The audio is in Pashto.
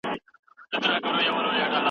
ما به دې دغه وخت نامه اخيستې وينه